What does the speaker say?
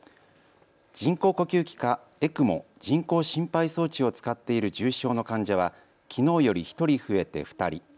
人工呼吸器かＥＣＭＯ・人工心肺装置を使っている重症の患者はきのうより１人増えて２人。